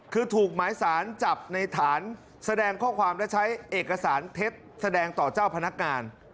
คือถูกหมายสารจับในฐานแสดงข้อความและใช้เอกสารเท็จแสดงต่อเจ้าพนักงาน